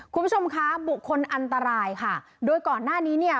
คุณผู้ชมคะบุคคลอันตรายค่ะโดยก่อนหน้านี้เนี่ย